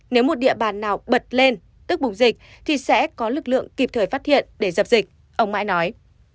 nếu một địa bàn nào bật lên tức bùng dịch thì sẽ có lực lượng kịp thời phát hiện để dập dịch ông mãi nói